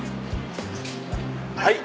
はい。